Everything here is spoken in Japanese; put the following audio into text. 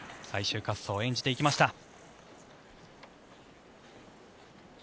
最終滑走を演じていきました。